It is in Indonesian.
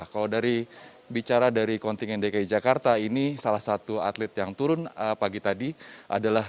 kalau dari bicara dari kontingen dki jakarta ini salah satu atlet yang turun pagi tadi adalah